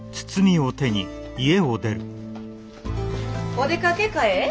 お出かけかえ？